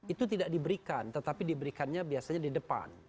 itu tidak diberikan tetapi diberikannya biasanya di depan